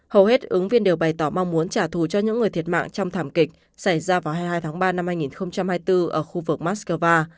hầu hết ứng viên đều bày tỏ mong muốn trả thù cho những người thiệt mạng trong thảm kịch xảy ra vào hai mươi hai tháng ba năm hai nghìn hai mươi bốn ở khu vực moscow